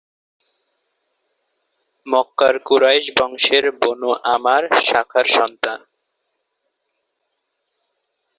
মক্কার কুরাইশ বংশের Banu Amr শাখার সন্তান।